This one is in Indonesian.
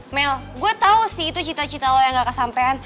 mel gue tau sih itu cita cita lo yang gak kesampean